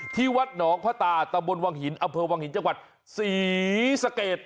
ที่วัดหนองพระตาตะบนวังหินอำเภอวังหินจังหวัดศรีสะเกด